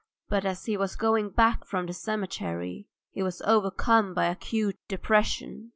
But as he was going back from the cemetery he was overcome by acute depression.